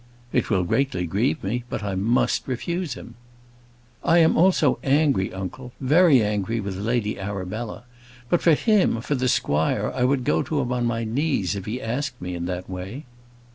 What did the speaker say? "It will greatly grieve me; but I must refuse him." "I also am angry, uncle; very angry with Lady Arabella; but for him, for the squire, I would go to him on my knees if he asked me in that way."